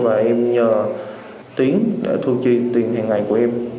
và em nhờ tuyến để thu chi tiền hàng ngày của em